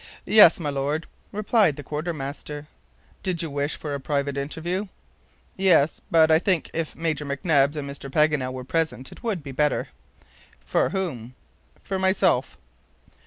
"Yes, my Lord," replied the quartermaster. "Did you wish for a private interview?" "Yes, but I think if Major McNabbs and Mr. Paganel were present it would be better." "For whom?" "For myself."